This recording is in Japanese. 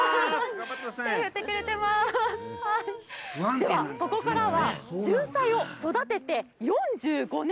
では、ここからは、ジュンサイを育てて４５年。